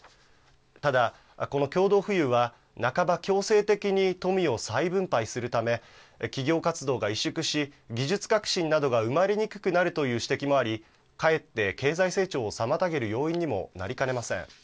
ただ、この共同富裕は半ば強制的に富を再分配するため、企業活動が萎縮し、技術革新などが生まれにくくなるという指摘もあり、かえって経済成長を妨げる要因にもなりかねません。